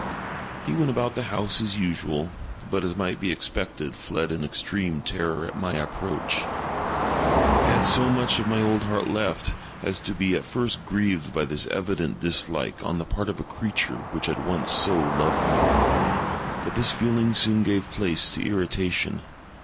He went about the house as usual, but, as might be expected, fled in extreme terror at my approach. I had so much of my old heart left, as to be at first grieved by this evident dislike on the part of a creature which had once so loved me. But this feeling soon gave place to irritation.